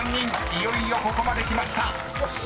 いよいよここまできました］